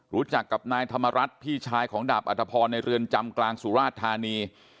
รู้จักกับนายธรรมรัฐพี่ชายของดาบอัตภพรในเรือนจำกลางสุราชธานี